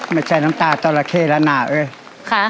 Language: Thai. ไม่ใช่น้ำตาจอรัคะละนะเอ๊ะ